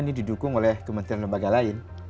ini didukung oleh kementerian lembaga lain